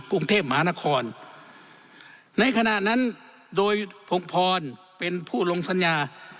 กรุงเทพมหานครในขณะนั้นโดยพงพรเป็นผู้ลงสัญญา